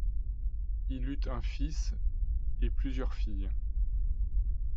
Il eut un fils et plusieurs filles.